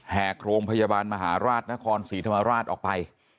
โรงพยาบาลมหาราชนครศรีธรรมราชออกไป